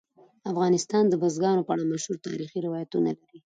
افغانستان د بزګانو په اړه مشهور تاریخي روایتونه لري.